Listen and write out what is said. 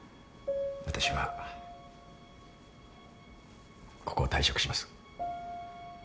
私はここを退職します。